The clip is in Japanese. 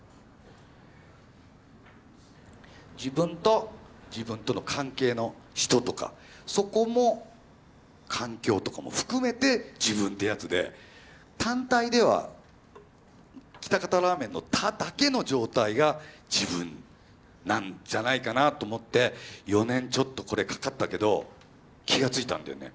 自分と自分との関係の人とかそこも環境とかも含めて自分ってやつで単体では喜多方ラーメンの「多」だけの状態が自分なんじゃないかなと思って４年ちょっとこれかかったけど気が付いたんだよね。